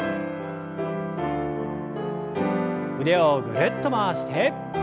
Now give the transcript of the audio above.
腕をぐるっと回して。